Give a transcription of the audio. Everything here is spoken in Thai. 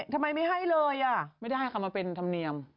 ทำไมไม่ให้เลยอ่ะไม่ได้ค่ะมาเป็นธรรมเนียม